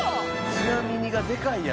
「ちなみに」がでかいやろ。